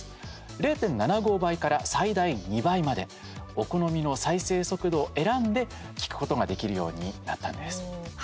０．７５倍から、最大２倍までお好みの再生速度を選んで聞くことができるようになったんです。